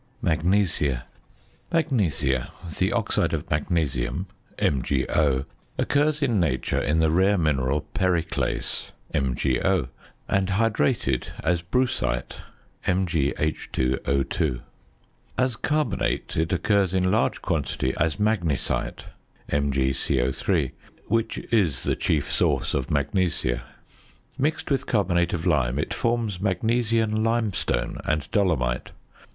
MAGNESIA. Magnesia, the oxide of magnesium (MgO) occurs in nature in the rare mineral periclase (MgO); and hydrated, as brucite (MgH_O_). As carbonate it occurs in large quantity as magnesite (MgCO_), which is the chief source of magnesia. Mixed with carbonate of lime, it forms magnesian limestone and dolomite.